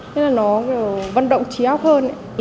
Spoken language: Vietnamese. thế là nó kiểu vận động trí ác hơn ấy